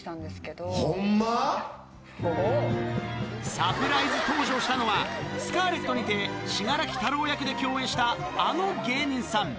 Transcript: サプライズ登場したのは『スカーレット』にて信楽太郎役で共演したあの芸人さん